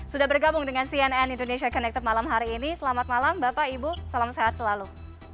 sudah bergabung dengan cnn indonesia connected malam hari ini selamat malam bapak ibu salam sehat selalu